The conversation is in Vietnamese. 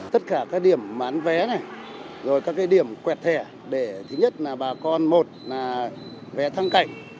tất cả các điểm bán vé này rồi các cái điểm quẹt thẻ để thứ nhất là bà con một là vé thăng cạnh